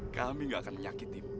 kami gak akan menyakiti